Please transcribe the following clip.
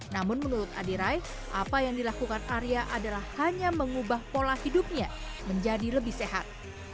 namun menurut adirai apa yang dilakukan arya adalah hanya mengubah pola hidupnya menjadi lebih sehat